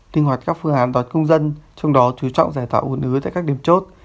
tinh hoạt các phương án đón công dân trong đó chú trọng giải tạo ủn ứa tại các điểm chốt